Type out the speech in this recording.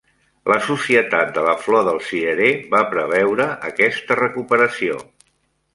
La Societat de la Flor del Cirerer va preveure aquesta recuperació.